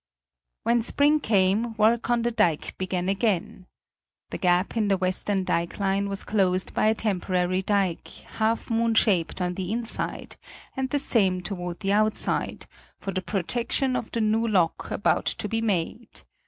When spring came, work on the dike began again. The gap in the western dike line was closed by a temporary dike half moon shaped on the inside and the same toward the outside, for the protection of the new lock about to be made.